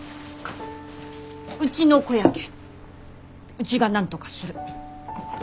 うちの子やけんうちがなんとかする。